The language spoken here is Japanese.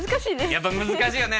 やっぱ難しいよね。